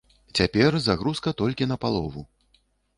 Цяпер загрузка толькі на палову.